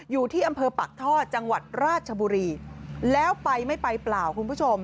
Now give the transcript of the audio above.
อยู่ที่อำเภอปากท่อจังหวัดราชบุรีแล้วไปไม่ไปเปล่าคุณผู้ชม